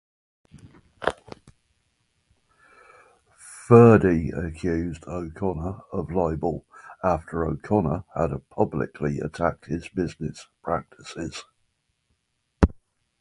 Fereday accused O'Connor of libel after O'Connor had publicly attacked his business practices.